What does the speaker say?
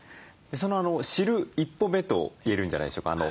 その知る一歩目と言えるんじゃないでしょうか。